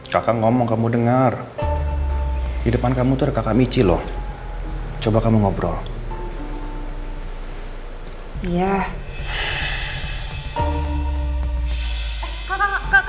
kakak ngomong kamu dengar di depan kamu terkacau michilo coba kamu ngobrol